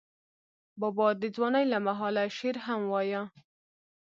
بابا د ځوانۍ له مهاله شعر هم وایه.